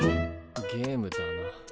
ゲームだな。